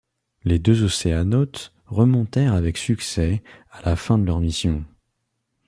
Les deux océanautes remontèrent avec succès à la fin de leur mission.